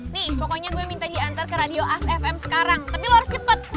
nih pokoknya gue minta diantar ke radio as fm sekarang tapi lo harus cepet